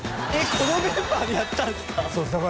このメンバーでやったんすか！？